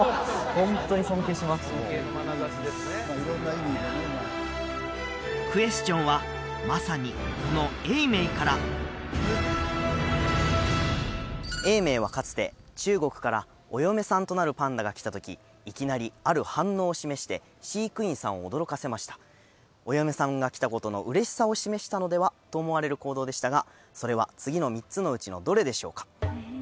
もうクエスチョンはまさにこの永明から永明はかつて中国からお嫁さんとなるパンダが来た時いきなりある反応を示して飼育員さんを驚かせましたお嫁さんが来たことの嬉しさを示したのではと思われる行動でしたがそれは次の３つのうちのどれでしょうか？